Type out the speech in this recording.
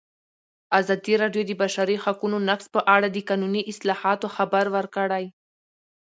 ازادي راډیو د د بشري حقونو نقض په اړه د قانوني اصلاحاتو خبر ورکړی.